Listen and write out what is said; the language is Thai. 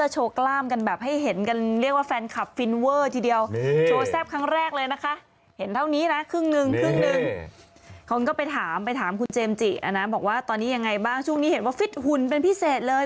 ช่วงนี้เห็นว่าฟิตหุ่นเป็นพิเศษเลย